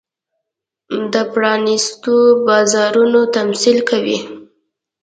د پرانېستو بازارونو تمثیل کوي.